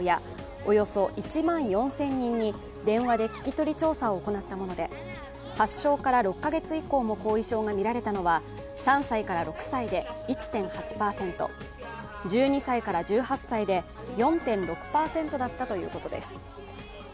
およそ１万４０００人に電話で聞き取り調査を行ったもので発症から６カ月以降も後遺症がみられたのは３歳から６歳で１．８％、１２歳から１８歳で４．６％だったということです。